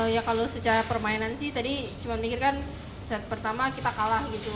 ya kalau secara permainan sih tadi cuma mikirkan set pertama kita kalah gitu